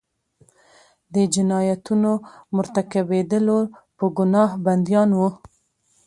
د جنایتونو مرتکبیدلو په ګناه بندیان وو.